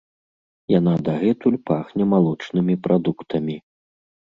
Яна дагэтуль пахне малочнымі прадуктамі.